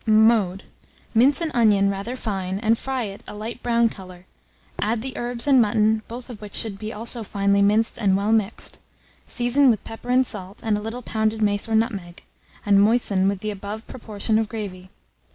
Mode. Mince an onion rather fine, and fry it a light brown colour; add the herbs and mutton, both of which should be also finely minced and well mixed; season with pepper and salt, and a little pounded mace or nutmeg, and moisten with the above proportion of gravy.